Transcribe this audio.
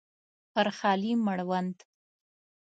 پر خالي مړوند